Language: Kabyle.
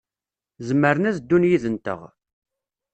Zemren ad ddun yid-nteɣ.